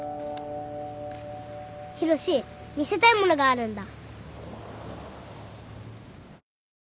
浩志見せたいものがあるんだ。